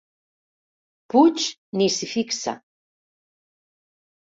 Puig ni s'hi fixa.